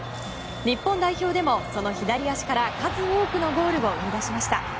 日本代表でも、その左足から数多くのゴールを生み出しました。